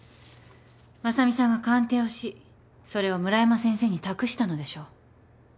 真佐美さんが鑑定をしそれを村山先生に託したのでしょう。